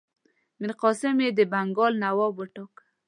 میرقاسم یې د بنګال نواب وټاکه.